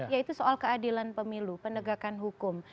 yaitu soal keadilan pemilu penegakan hukum